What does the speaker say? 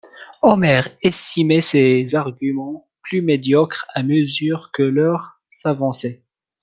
Omer estimait ses arguments plus médiocres à mesure que l'heure s'avançait.